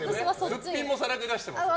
すっぴんもさらけ出してますよね。